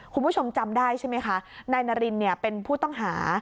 คุณผู้ชมจำได้ใช่ไหมคะนายนารินเป็นผู้ต้องหา